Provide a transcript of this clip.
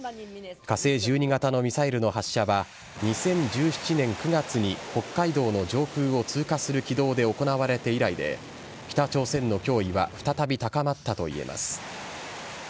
火星１２型のミサイルの発射は、２０１７年９月に北海道の上空を通過する軌道で行われて以来で、北朝鮮の脅威は再び高まったといえます。